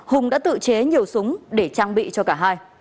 hùng đã tự chế nhiều súng để trang bị cho cả hai